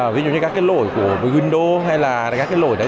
ví dụ như các lỗi của windows hay là các lỗi đấy